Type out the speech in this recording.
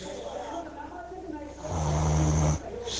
まだ名前出てない人は８９１０か４だから。